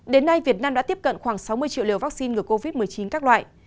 đến nay việt nam đã tiếp cận khoảng sáu mươi triệu liều vaccine ngừa covid một mươi chín các loại